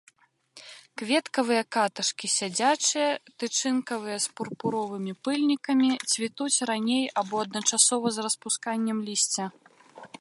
Кветкавыя каташкі сядзячыя, тычынкавыя з пурпуровымі пыльнікамі, цвітуць раней або адначасова з распусканнем лісця.